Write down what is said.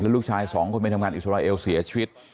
ลูกชายสองคนไปทำงานอิสราเอลเสียชีวิต